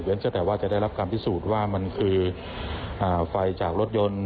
อย่างนั้นก็แต่ว่าจะได้รับความพิสูจน์ว่ามันคือไฟจากรถยนต์